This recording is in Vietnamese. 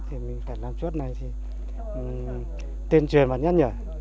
thì mình phải làm chốt này thì tên truyền vào nhăn nhở